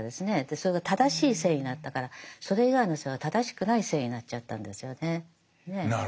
それが正しい性になったからそれ以外の性は正しくない性になっちゃったんですよね。